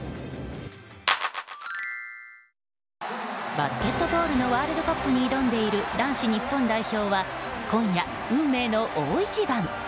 バスケットボールのワールドカップに挑んでいる男子日本代表は今夜、運命の大一番。